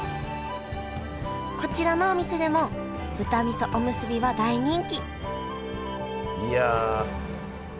こちらのお店でも豚味噌おむすびは大人気いや。